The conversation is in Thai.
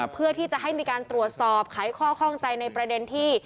เพื่อที่จะให้มีการตรวจสอบไขข้อข้องใจในประเด็นที่